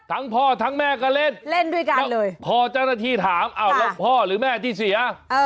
ทั้งพ่อทั้งแม่ก็เล่นเล่นด้วยกันพอเจ้าหน้าที่ถามอ้าวแล้วพ่อหรือแม่ที่เสีย